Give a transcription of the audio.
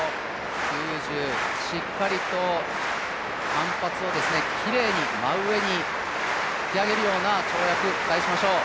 ９０、しっかりと反発をきれいに真上に引き上げるような跳躍を期待しましょう。